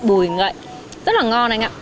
vị bùi ngậy rất là ngon anh ạ